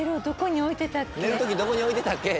寝る時どこに置いてたっけ？